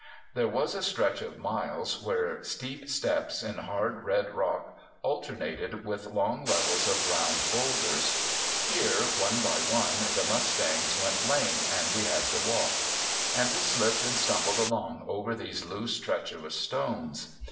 There was a stretch of miles where steep steps in hard red rock alternated with long levels of round boulders. Here, one by one, the mustangs went lame and we had to walk. And we slipped and stumbled along over these loose, treacherous stones.